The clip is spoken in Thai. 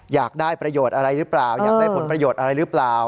อยากได้ประโยชน์อะไรหรือเปล่าอยากได้ผลประโยชน์อะไรหรือเปล่า